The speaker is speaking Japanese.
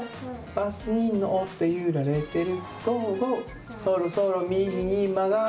「バスにのってゆられてる」